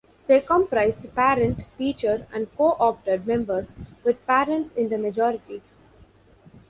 They comprised parent, teacher and 'co-opted' members, with parents in the majority.